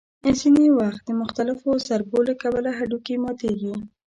ځینې وخت د مختلفو ضربو له کبله هډوکي ماتېږي.